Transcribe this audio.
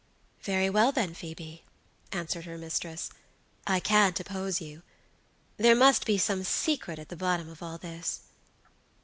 "Very well, then, Phoebe," answered her mistress, "I can't oppose you. There must be some secret at the bottom of all this."